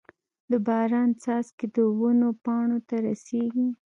د باران څاڅکي د ونو پاڼو ته رسيږي.